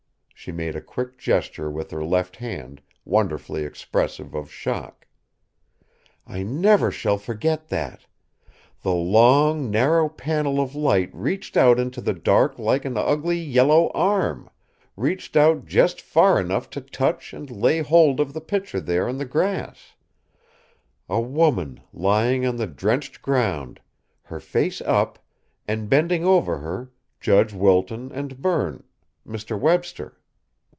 She made a quick gesture with her left hand, wonderfully expressive of shock. "I shall never forget that! The long, narrow panel of light reached out into the dark like an ugly, yellow arm reached out just far enough to touch and lay hold of the picture there on the grass; a woman lying on the drenched ground, her face up, and bending over her Judge Wilton and Berne Mr. Webster.